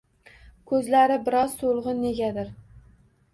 Koʻzlari biroz soʻlgʻin negadir.